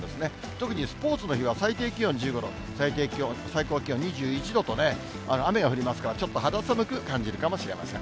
特にスポーツの日は、最低気温１５度、最高気温２１度とね、雨が降りますから、ちょっと肌寒く感じるかもしれません。